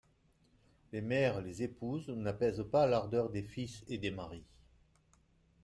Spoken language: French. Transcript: Les mères, les épouses, n'apaisaient pas l'ardeur des fils et des maris.